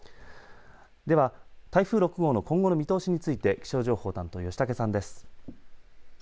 では台風６号の今後の見通しについて気象情報担当、吉竹さんです。